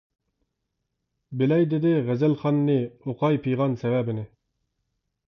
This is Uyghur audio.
بىلەي دېدى غەزەلخاننى، ئۇقاي پىغان سەۋەبىنى.